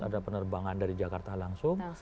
ada penerbangan dari jakarta langsung